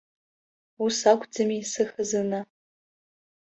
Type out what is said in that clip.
Ус акәӡами, сыхазына?